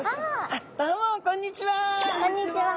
あっどうもこんにちは！